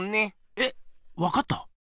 えっわかった？